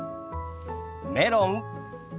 メロン。